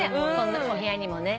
お部屋にもね。